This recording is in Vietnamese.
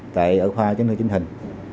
tại ở khoa chính hình